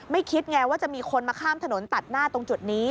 คิดไงว่าจะมีคนมาข้ามถนนตัดหน้าตรงจุดนี้